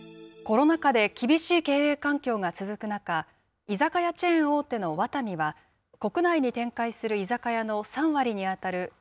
コロナ禍で厳しい経営環境が続く中、居酒屋チェーン大手のワタミは国内に展開する居酒屋の３割に当たる